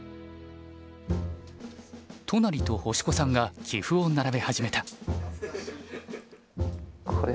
都成と星子さんが棋譜を並べ始めた。